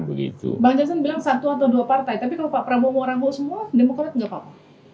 bang jansen bilang satu atau dua partai tapi kalau pak prabowo mau rambu semua demokrat nggak apa apa